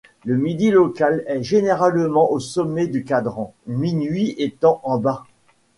Le midi local est généralement au sommet du cadran, minuit étant en bas.